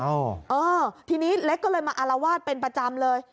เออทีนี้เล็กก็เลยมาอารวาสเป็นประจำเลย